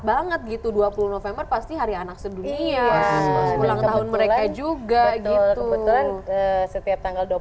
banget gitu dua puluh november pasti hari anak sedunia ulang tahun mereka juga gitu kebetulan setiap tanggal